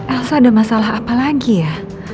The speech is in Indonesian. aku ada masalah apa lagi ya